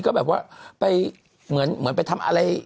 ก็แบบว่าไปเหมือนไปทำอะไร